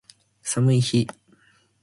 寒い日